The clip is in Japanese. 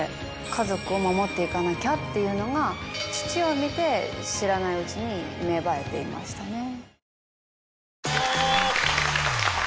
家族を守っていかなきゃっていうのが父を見て知らないうちに芽生えていましたね。